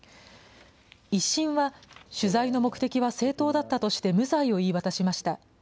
１審は、取材の目的は正当だったとして無罪を言い渡しました。